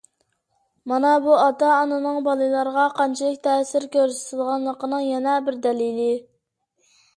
مانا بۇ ئاتا - ئانىنىڭ بالىلارغا قانچىلىك تەسىر كۆرسىتىدىغانلىقىنىڭ يەنە بىر دەلىلى.